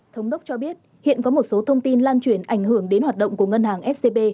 thống đốc cho biết hiện có một số thông tin lan truyền ảnh hưởng đến hoạt động của ngân hàng scb